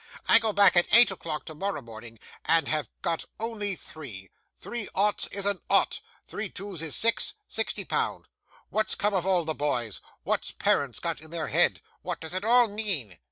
I go back at eight o'clock tomorrow morning, and have got only three three oughts is an ought three twos is six sixty pound. What's come of all the boys? what's parents got in their heads? what does it all mean?